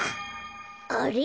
あれ？